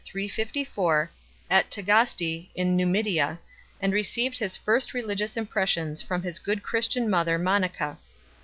354, at Tagaste in Numidia, and received his first religious impressions Trom his good Christian mother Monica